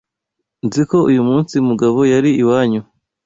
Nzi ko uyu munsi Mugabo yari iwanyu.